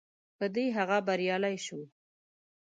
په دې هغه بریالی شو.